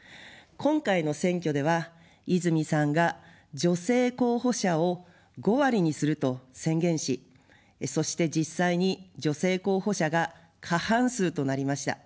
今回の選挙では泉さんが女性候補者を５割にすると宣言し、そして実際に女性候補者が過半数となりました。